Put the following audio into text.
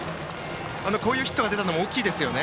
ああいうヒットが出たのも大きいですよね。